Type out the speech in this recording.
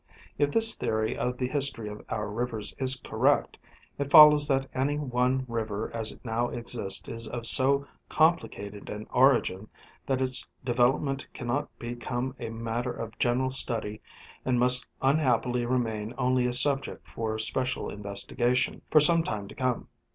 — If this theory of the history of our rivers is correct, it follows that any one river as it now exists is of so complicated an origin that its development cannot become a matter of general study and must unhappily remain only a subject for special investigation for some time to come.